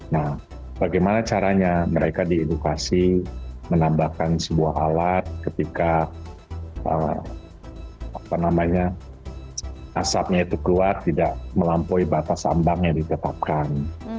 nah bagaimana caranya mereka diedukasi menambahkan sebuah alat ketika asapnya itu keluar tidak melampaui batas ambang yang ditetapkan